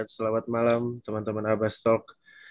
selamat malam teman teman abastok